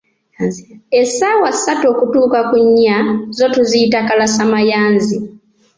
Essaawa ssatu okutuuka ku nnya, zo tuziyita kalasa mayanzi.